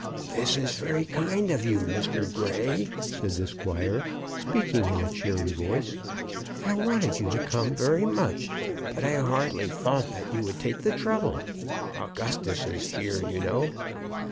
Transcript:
"This is very kind of you, Mr. Grey," said the squire, speaking in a cheery voice. "I wanted you to come very much, but I hardly thought that you would take the trouble. Augustus is here, you know."